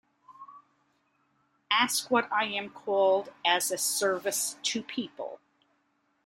Ask what I am called as a service to people.